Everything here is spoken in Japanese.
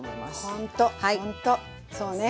ほんとそうね。